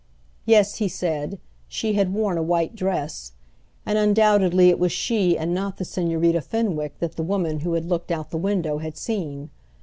Yes, he said, she had worn a white dress and undoubtedly it was she and not the Señorita Fenwick that the woman who had looked out the window had seen.